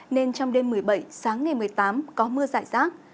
nên trong đêm một mươi bảy sáng ngày một mươi tám có mưa dại giác